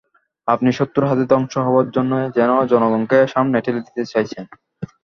আপনি শত্রুর হাতে ধ্বংস হওয়ার জন্যই যেন, জনগণকে সামনে ঠেলে দিতে চাইছেন।